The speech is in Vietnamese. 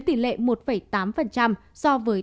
tỉnh điện này